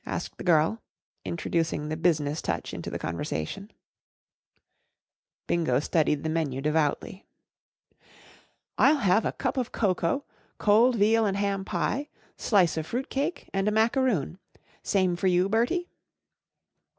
r * asked the girl, introducing the business touch into the conversation* Bingo studied the menu devoutly. " I'll have a cup of cocoa, cold veal and ham pie, slice of fruit cake, and a macaroon. Same for you, Bertie